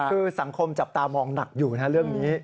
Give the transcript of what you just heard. คือสังคมจับตามองหนักอยู่นะเรื่องนี้